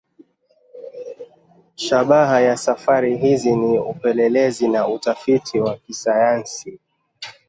Shabaha ya safari hizi ni upelelezi na utafiti wa kisayansi.